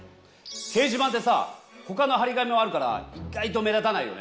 掲示板ってさほかの張り紙もあるから意外と目立たないよね。